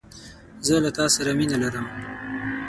زه له تاسره مینه لرم